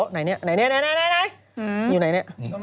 ไหนอยู่ไหน